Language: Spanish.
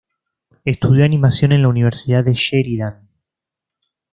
Estudió animación en la Universidad de Sheridan.